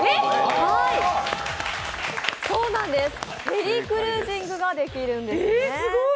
ヘリクルージングができるんですね。